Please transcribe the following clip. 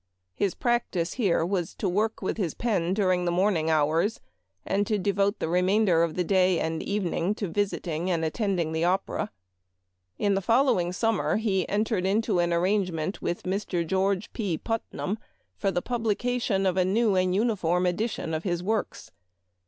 His practice here was to work with his pen during the morning hours, and de vote the remainder of the day and evening to visiting and attending the opera. In the following summer he entered into an arrangement with Mr. George P. Putnam for the publication of a new and uniform edition of his works.